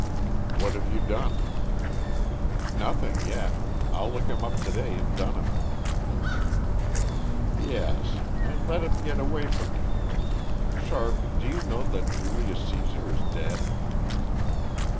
"What have you done?" "Nothing yet; I'll look him up to day and dun him." "Yes, and let him get away from you. Sharp do you know that Julius Cæsar is dead?"